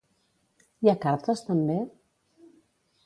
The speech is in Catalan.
Hi ha cartes també?